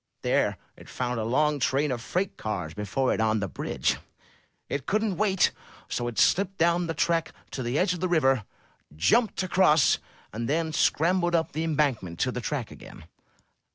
There it found a long train of freight cars before it on the bridge. It couldn't wait, so it slipped down the track to the edge of the river, jumped across, and then scrambled up the embankment to the track again.'